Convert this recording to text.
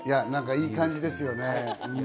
いい感じですよね。